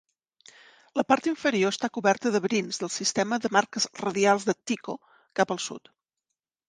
La part inferior està coberta de brins del sistema de marques radials de Tycho cap al sud.